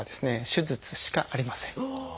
手術しかありません。